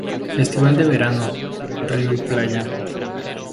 Festival de Verano, Río y Playa.